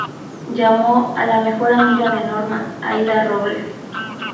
Llamó a la mejor amiga de Norma, Aída Robles.